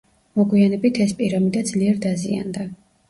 მოგვიანებით ეს პირამიდა ძლიერ დაზიანდა.